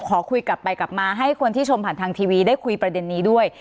ขอคุยกลับไปกลับมาให้คนที่ชมผ่านทางทีวีได้คุยประเด็นนี้ด้วย